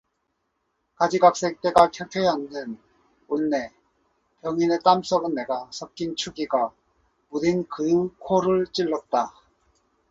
가지각색 때가 켜켜이 앉은 옷내 병인의 땀 썩은 내가 섞인 추기가 무딘 그의 코를 찔렀다.